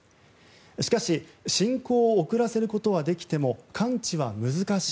しかし進行を遅らせることはできても完治は難しい。